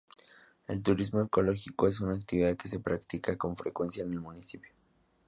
El turismo ecológico es una actividad que se practica con frecuencia en el municipio.